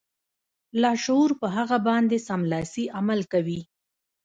لاشعور په هغه باندې سملاسي عمل کوي